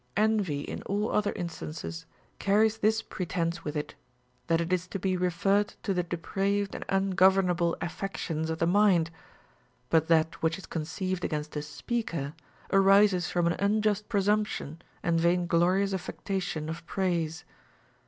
Envy in all other instances carries this pretence with it, that it is to be referred to the depraved and ungovern able affections of the mind, but that which is conceived against a speaker arises from an unjust presumption and vain glorious affectation of praise.